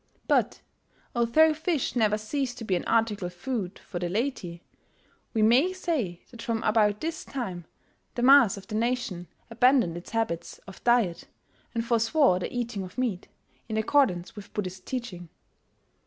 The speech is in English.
But, although fish never ceased to be an article of food for the laity, we may say that from about this time the mass of the nation abandoned its habits of diet, and forswore the eating of meat, in accordance with Buddhist teaching....